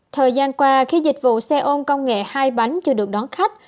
thời gian qua khi dịch vụ xe ôn công nghệ hai bánh chưa được đón khách